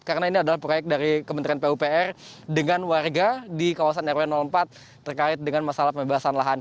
karena ini adalah proyek dari kementerian pupr dengan warga di kawasan rw empat terkait dengan masalah pembebasan lahan